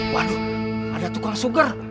waduh ada tukang sugar